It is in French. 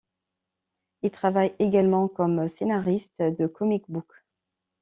Il travaille également comme scénariste de comic book.